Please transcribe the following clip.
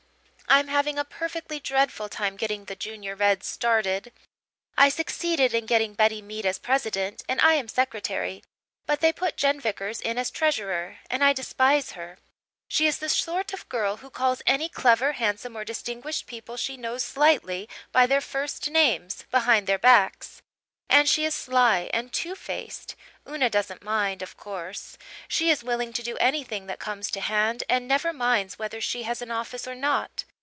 "I'm having a perfectly dreadful time getting the Junior Reds started. I succeeded in getting Betty Mead as president, and I am secretary, but they put Jen Vickers in as treasurer and I despise her. She is the sort of girl who calls any clever, handsome, or distinguished people she knows slightly by their first names behind their backs. And she is sly and two faced. Una doesn't mind, of course. She is willing to do anything that comes to hand and never minds whether she has an office or not.